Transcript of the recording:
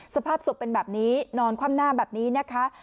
สภาพศพเป็นแบบนี้นอนคว่ำหน้าแบบนี้นะคะ